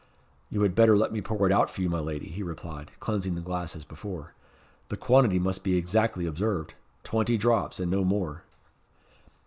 "You had better let me pour it out for you, my lady," he replied, cleansing the glass as before. "The quantity must be exactly observed. Twenty drops, and no more."